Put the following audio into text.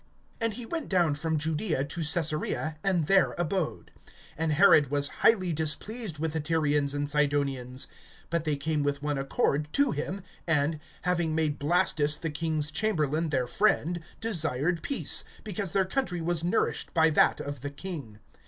And he went down from Judaea to Caesarea, and there abode. (20)And Herod was highly displeased with the Tyrians and Sidonians. But they came with one accord to him, and, having made Blastus the king's chamberlain their friend, desired peace; because their country was nourished by that of the king.